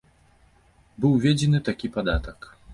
Быў уведзены такі падатак.